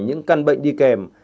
những căn bệnh đi kèm